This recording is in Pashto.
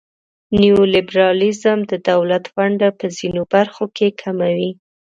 نیولیبرالیزم د دولت ونډه په ځینو برخو کې کموي.